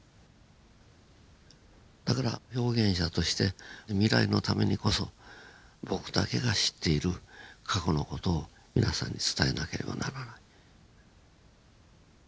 だから表現者として未来のためにこそ僕だけが知っている過去の事を皆さんに伝えなければならない。